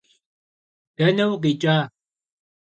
Dene vukhiç'a?